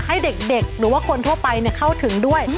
ให้เด็กหรือว่าคนทั่วไปเข้าถึงด้วย